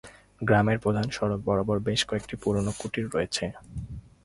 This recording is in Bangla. গ্রামের প্রধান সড়ক বরাবর বেশ কয়েকটি পুরানো কুটির রয়েছে।